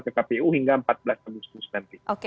ke kpu hingga empat belas agustus nanti